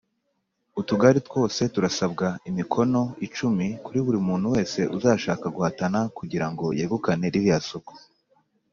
Utugari twose turasabwa imikono icumi kuri buri muntu wese uzashaka guhatana kugira ngo yegukane ririya soko.